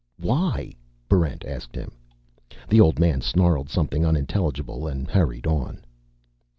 "Why?" Barrent asked him. The old man snarled something unintelligible and hurried on.